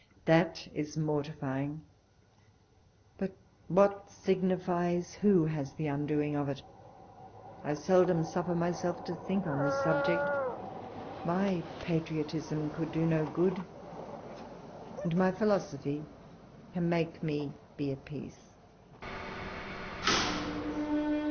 That is mortifying ; but what signifies who has the un doing of it I I seldom suffer myself to think on this subject: my patriotism could do no good, and ray philosophy can make me be at peace.